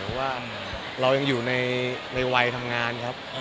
เพราะว่าเรายังอยู่ในวัยทำงานครับ